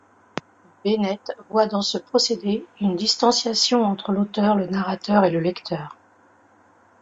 Bennett voit dans ce procédé une distanciation entre l'auteur, le narrateur et le lecteur.